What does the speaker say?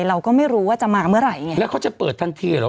เราก็ไม่รู้ว่าจะมาเมื่อไหร่ไงแล้วเขาจะเปิดทันทีเหรอ